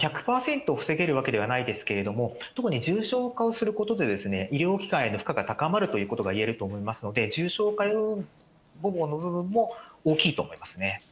１００％防げるわけではないですけれども、特に重症化をすることで、医療機関への負荷が高まるということがいえると思いますので、重症化予防の部分も大きいと思いますね。